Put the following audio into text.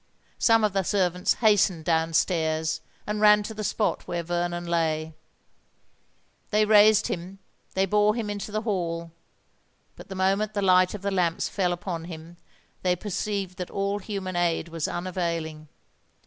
Some of the servants hastened down stairs, and ran to the spot where Vernon lay. They raised him—they bore him into the hall; but the moment the light of the lamps fell upon him, they perceived that all human aid was unavailing.